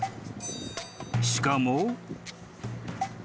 ［しかも］